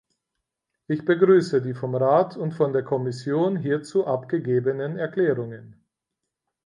Ich begrüße die vom Rat und von der Kommission hierzu abgegebenen Erklärungen.